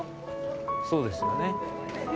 そうですよね